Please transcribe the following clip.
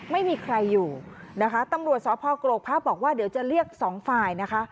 ไม่มีใครอยู่นะคะตำรวจสพกรกพระบอกว่าเดี๋ยวจะเรียกสองฝ่ายนะคะ